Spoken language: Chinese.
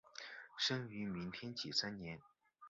生于明天启三年。